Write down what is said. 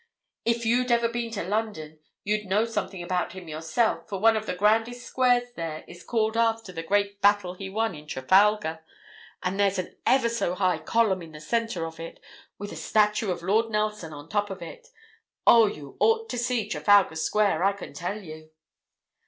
If you'd ever been to London you'd know something about him yourself, for one of the grandest squares there is called after the great battle he won at Trafalgar, and there's an ever so high column in the centre of it, with a statue of Lord Nelson on top of it. Oh, you ought to see Trafalgar Square, I can tell you!"